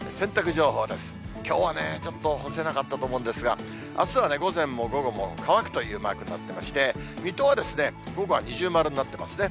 きょうはね、ちょっと干せなかったと思うんですが、あすはね、午前も午後も、乾くというマークになってまして、水戸は午後は二重丸になってますね。